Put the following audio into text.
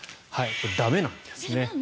駄目なんですね。